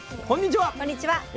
こんにちは。